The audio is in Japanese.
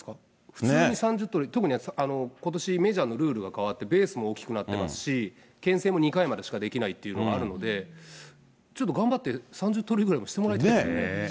普通に３０盗塁、特にことしメジャーのルールが変わって、ベースも大きくなってますし、けん制も２回までしかできないというのがあるので、ちょっと頑張って３０盗塁ぐらいはしてもらいたいですね。